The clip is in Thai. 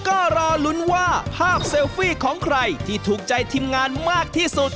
ก็รอลุ้นว่าภาพเซลฟี่ของใครที่ถูกใจทีมงานมากที่สุด